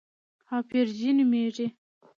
هایپرجي نومېږي.